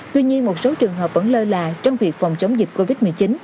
tuy nhiên một số trường hợp vẫn lơ là trong việc phòng chống dịch covid một mươi chín